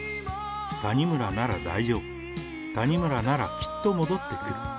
谷村なら大丈夫、谷村ならきっと戻ってくる。